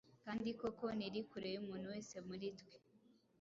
kandi koko ntiri kure y’umuntu wese muri twe.”